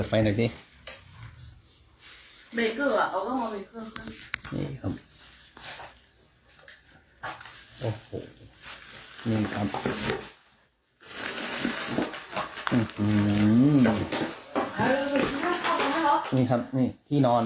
ไม่ใช่ไม่มีนอน